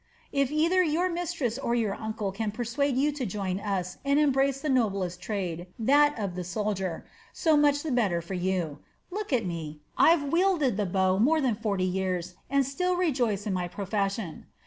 If either your mistress or your uncle can persuade you to join us and embrace the noblest trade that of the soldier so much the better for you. Look at me! I've wielded the bow more than forty years and still rejoice in my profession.